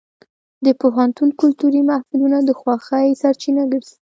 د پوهنتون کلتوري محفلونه د خوښۍ سرچینه ګرځي.